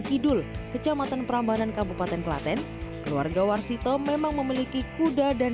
kidul kecamatan prambanan kabupaten klaten keluarga warsito memang memiliki kuda dan